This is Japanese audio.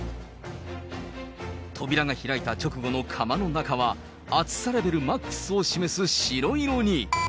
扉が開いた直後の窯の中は、暑さレベルマックスを示す白色に。